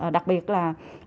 đặc biệt là